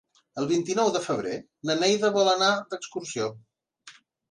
El vint-i-nou de febrer na Neida vol anar d'excursió.